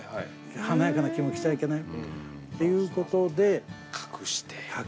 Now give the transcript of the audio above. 華やかな着物着ちゃいけないよということで隠して。